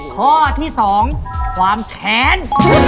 ข้อที่สองความแขน